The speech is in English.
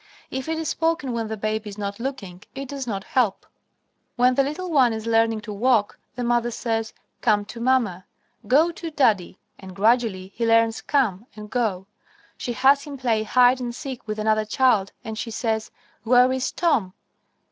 If it is spoken when the baby is not looking, it does not help. When the little one is learning to walk, the mother says, "Come to mamma," "Go to daddy," and gradually he learns "come" and "go." She has him play hide and seek with another child, and she says, "Where is Tom?"